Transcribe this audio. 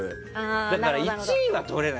だから、１位はとれない。